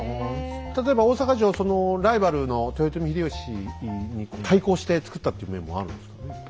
例えば大坂城ライバルの豊臣秀吉に対抗して造ったっていう面もあるんですか？